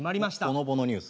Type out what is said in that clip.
ほのぼのニュース。